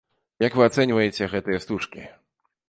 Як вы ацэньваеце гэтыя стужкі?